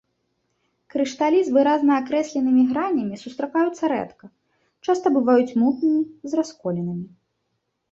Крышталі з выразна акрэсленымі гранямі сустракаюцца рэдка, часта бываюць мутнымі, з расколінамі.